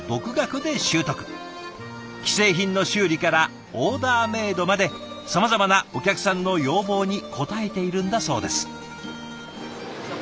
既製品の修理からオーダーメードまでさまざまなお客さんの要望に応えているんだそうです。